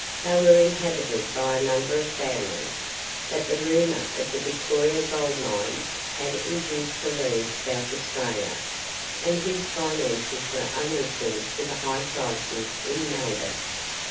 They were inhabited by a number of families, that the rumour of the Victoria gold mines had induced to leave South Australia, and whose finances were unequal to the high prices in Melbourne.